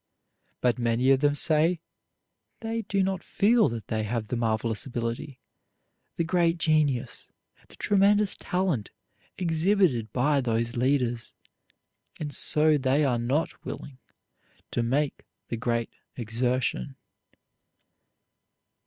But many of them say they do not feel that they have the marvelous ability, the great genius, the tremendous talent exhibited by those leaders, and so they are not willing to make the great exertion.